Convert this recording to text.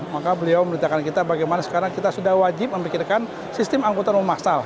maka beliau menitikan kita bagaimana sekarang kita sudah wajib memikirkan sistem angkutan umum massal